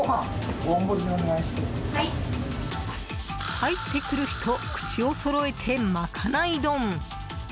入ってくる人口をそろえて、まかない丼！